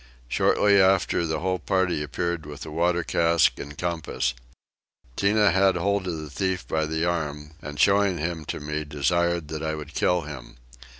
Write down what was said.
Shortly after the whole party appeared with the water cask and compass. Tinah had hold of the thief by the arm and, showing him to me, desired that I would kill him.